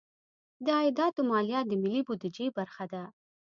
د عایداتو مالیه د ملي بودیجې برخه ده.